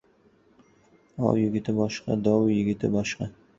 • Ov yigiti boshqa, dov yigiti boshqa.